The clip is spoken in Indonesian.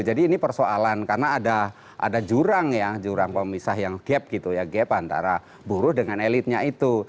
jadi ini persoalan karena ada jurang pemisah yang gap antara buruh dengan elitnya itu